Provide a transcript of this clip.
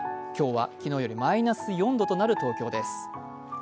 今日は昨日よりマイナス４度となる東京です。